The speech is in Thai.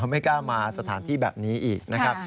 ไม่กล้ามาสถานที่แบบนี้อีกนะครับ